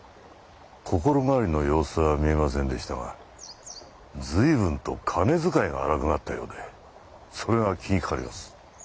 心変わりの様子は見えませんでしたが随分と金遣いが荒くなったようでそれが気にかかります。